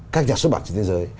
các nhà xuất bản trên thế giới